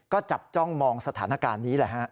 ก็จับจ้องมองสถานการณ์นี้แหละฮะ